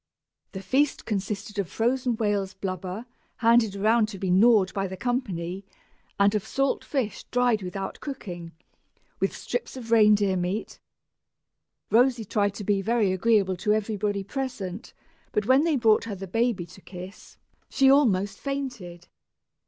The feast consisted of frozen whale's blubber, handed around to be gnawed by the company, and of salt fish dried without cooking, with strips of reindeer meat. Rosy tried to be very agreeable to everybody present, but when they brought her the baby to kiss, she almost fainted!